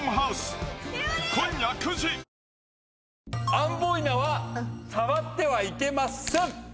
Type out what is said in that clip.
アンボイナは触ってはいけません。